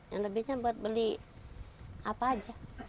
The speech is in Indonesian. yang lebihnya buat beli apa aja